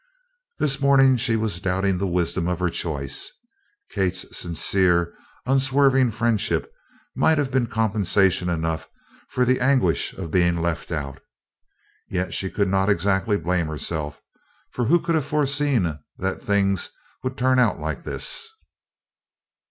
This morning she was doubting the wisdom of her choice. Kate's sincere unswerving friendship might have been compensation enough for the anguish of being "left out." Yet she could not exactly blame herself, for who could have foreseen that things would turn out like this?